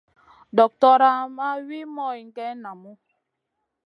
Doktora ma wi moyne geyn namu.